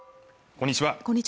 こんにちは